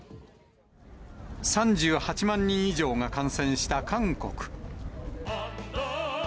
３８万人以上が感染した韓国。